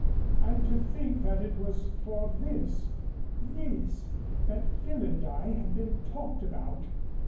And to think that it was for this this, that Phil and I have been talked about!